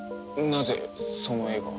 なぜその絵が？